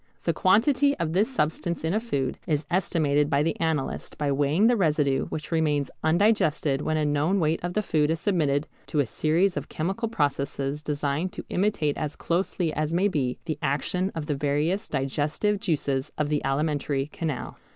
The quantity of this substance in a food is estimated by the analyst by weighing the residue which remains undigested when a known weight of the food is submitted to a series of chemical processes designed to imitate as closely as may be the action of the various digestive juices of the alimentary canal.